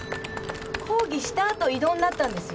抗議したあと異動になったんです。